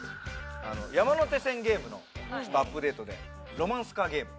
山手線ゲームのアップデートでロマンスカーゲーム。